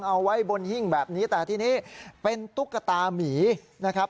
เอาไว้บนหิ้งแบบนี้แต่ทีนี้เป็นตุ๊กตามีนะครับ